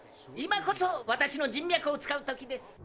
今こそ私の人脈を使う時です。